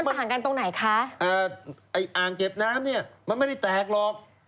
ห่างกันตรงไหนคะอ่าไอ้อ่างเก็บน้ำเนี่ยมันไม่ได้แตกหรอก